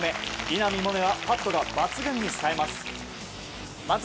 稲見萌寧はパットが抜群にさえます。